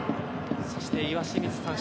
そして岩清水さん